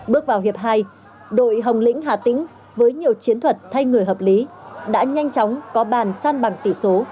bước vào hiệp hai đội hồng lĩnh hà tĩnh với nhiều chiến thuật thay người hợp lý đã nhanh chóng có bàn san bằng tỷ số